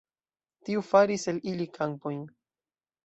Tiu faris el ili kampojn.